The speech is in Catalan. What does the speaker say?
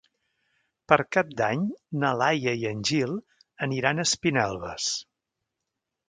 Per Cap d'Any na Laia i en Gil aniran a Espinelves.